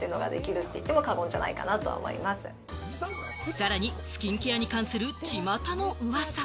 さらに、スキンケアに関するちまたのウワサ。